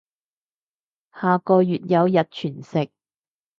下個月有日全食